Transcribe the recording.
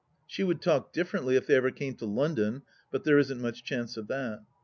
. She would talk differently if they ever came to London ; but there isn't much chance of that.